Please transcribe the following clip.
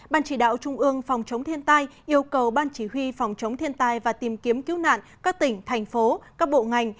ban chỉ đạo trung ương phòng chống thiên tai yêu cầu ban chỉ huy phòng chống thiên tai và tìm kiếm cứu nạn các tỉnh thành phố các bộ ngành